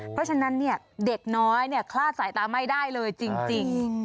เพราะฉะนั้นเด็กน้อยคลาดสายตาไม่ได้เลยจริง